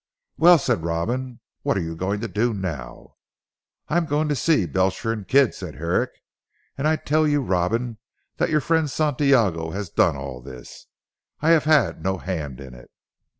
"Well," said Robin "what are you going to do now?" "I am going to see Belcher and Kidd," said Herrick, "and I tell you Robin that your friend Santiago has done all this. I have had no hand in it."